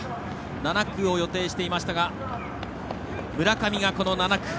７区を予定していましたが村上が、この７区。